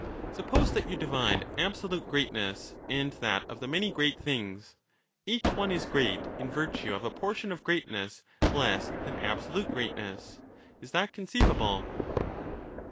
Suppose that you divide absolute greatness, and that of nor can the many great things, each one is great in virtue of a ^j^^ portion of greatness less than absolute greatness— is that only parts conceivable?